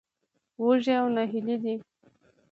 وږي او نهيلي دي.